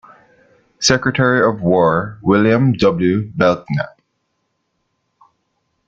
Secretary of War William W. Belknap.